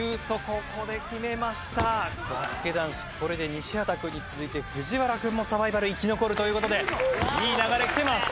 バスケ男子これで西畑くんに続いて藤原くんもサバイバル生き残るという事でいい流れきてます。